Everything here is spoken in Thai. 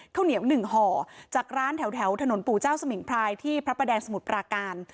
ข้าวเหนียวหนึ่งห่อจากร้านแถวถนนปู่เจ้าสมิงพรายที่พระประแดงสมุทรปราการ